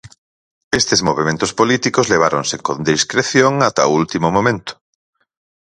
Estes movementos políticos leváronse con discreción ata o último momento.